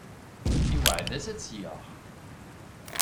Iweɛɛed-as ad tt-yaɣ.